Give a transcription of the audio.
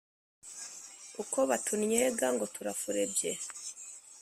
Ukwo batunnyega ngo turafurebye,